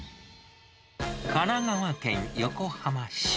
神奈川県横浜市。